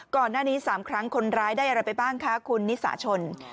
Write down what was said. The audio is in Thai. ก่อนหน้านี้๓ครั้งคนร้ายได้อะไรไปบ้างคะคุณนิสาชน